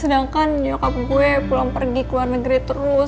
sedangkan nyokap gue pulang pergi ke luar negeri terus